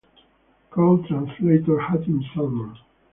Co-translator Hatim Salman.